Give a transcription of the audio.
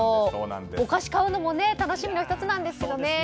お菓子買うのも楽しみの１つ何ですけどね。